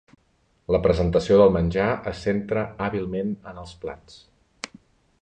La presentació del menjar es centra hàbilment en els plats.